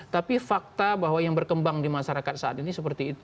tapi fakta bahwa yang berkembang di masyarakat saat ini seperti itu